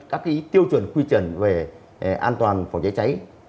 các tiêu chuẩn quy trần về an toàn phòng cháy cháy